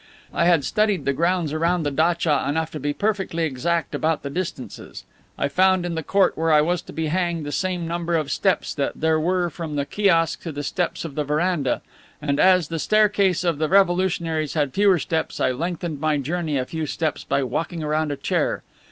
I had studied the grounds around the datcha enough to be perfectly exact about the distances. I found in the court where I was to be hanged the same number of steps that there were from the kiosk to the steps of the veranda, and, as the staircase of the revolutionaries had fewer steps, I lengthened my journey a few steps by walking around a chair.